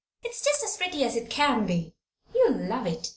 "It's just as pretty as it can be you'll love it!